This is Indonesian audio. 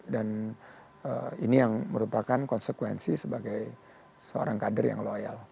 dan ini yang merupakan konsekuensi sebagai seorang kader yang loyal